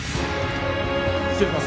・失礼します。